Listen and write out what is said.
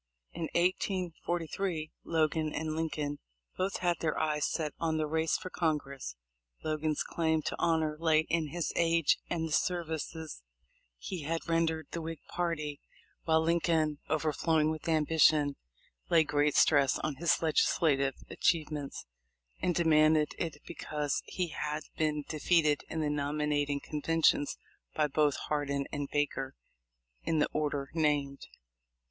In 1843, Logan and Lincoln both had their eyes set on the race for Congress. Logan's claim to the honor lay in his age and the services he had ren dered the Whig party, while Lincoln, overflowing with ambition, lay great stress on his legislative achievements, and demanded it because he had been defeated in the nominating conventions by both Hardin and Baker in the order named.